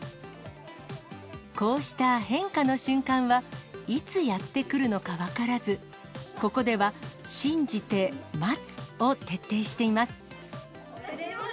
こうした変化の瞬間は、いつやって来るのか分からず、ここでは信じて、待つを徹底しています。